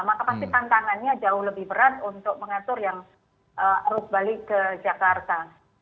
karena pasti tantangannya jauh lebih berat untuk mengatur yang arus balik ke jakarta